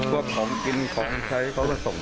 พวกของกินของใช้เขามาส่ง